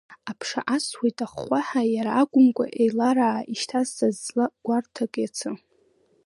Аԥша асуеит ахәхәаҳәа, иара акәымкәа еилараа ишьҭазҵаз ҵла гәарҭак иацы.